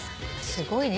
すごいね。